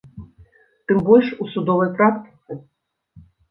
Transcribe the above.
Тым больш, у судовай практыцы?